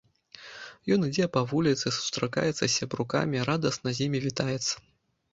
Ён ідзе па вуліцы, сустракаецца з сябрукамі, радасна з імі вітаецца.